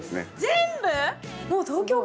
全部！？